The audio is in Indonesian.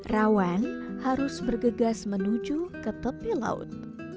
rawan harus bergegas menuju ke tepi laut